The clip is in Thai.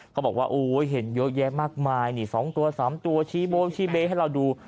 เขาบอกว่าเห็นเยอะแยะมากมายสองตัวสามตัวชี้โบ๊ทชี้เบ๊ให้เราดู